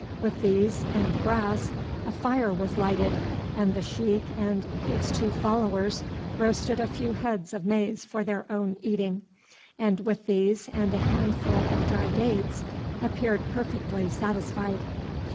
With these and the grass a fire was lighted, and the sheik and two followers roasted a few heads of maize for their own eating, and with these and a handful of dry dates appeared perfectly satisfied.